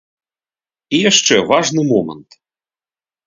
І яшчэ важны момант.